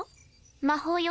魔法よ。